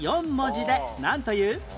４文字でなんという？